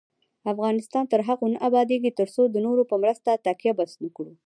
افغانستان تر هغو نه ابادیږي، ترڅو د نورو په مرستو تکیه بس نکړو.